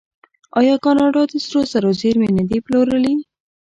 آیا کاناډا د سرو زرو زیرمې نه دي پلورلي؟